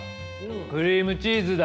クリームチーズだ。